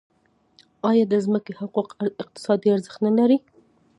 آیا د ځمکې حقوق اقتصادي ارزښت نلري؟